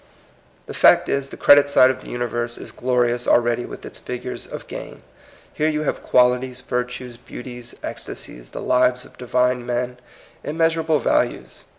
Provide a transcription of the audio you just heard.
The fact is, the credit side of the uni verse is glorious already with its figures of gain. Here you have qualities, virtues, beauties, ecstasies, the lives of divine men, immeasurable values.